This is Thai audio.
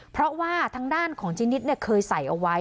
เพราะว่าทางด้านของจีนิดเคยใส่เอาไว้